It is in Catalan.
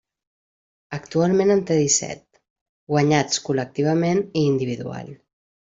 Actualment en té disset, guanyats col·lectivament i individual.